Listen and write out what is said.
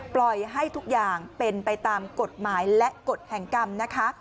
ปล่อยให้ทุกอย่างเป็นไปตามกฎหมายและกฎแห่งกรรมนะคะ